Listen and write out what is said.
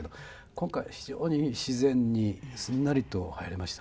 今回は非常に自然にすんなりと入れましたね。